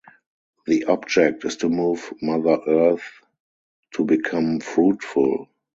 The object is to move Mother Earth to become fruitful.